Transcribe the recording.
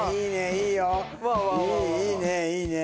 いいいいねいいね。